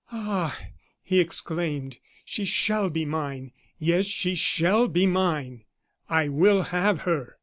"Ah!" he exclaimed, "she shall be mine. Yes, she shall be mine; I will have her!"